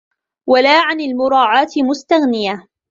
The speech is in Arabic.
وَلَا عَنْ الْمُرَاعَاةِ مُسْتَغْنِيَةً